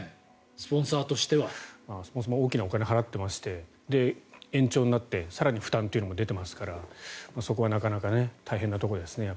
スポンサーも大きなお金を払っていまして延長になって更に負担というのが出ていますからそこはなかなか大変なところですね。